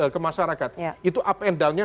ke masyarakat itu up and down nya